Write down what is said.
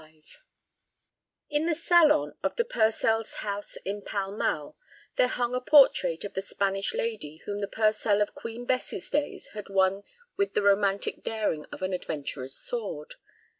XXV In the salon of the Purcells' house in Pall Mall there hung a portrait of the Spanish lady whom the Purcell of Queen Bess's days had won with the romantic daring of an adventurer's sword.